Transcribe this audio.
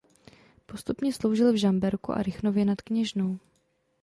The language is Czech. Postupně sloužil v Žamberku a Rychnově nad Kněžnou.